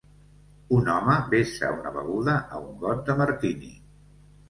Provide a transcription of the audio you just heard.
Un home vessa una beguda a un got de martini.